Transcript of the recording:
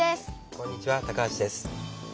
こんにちは橋です。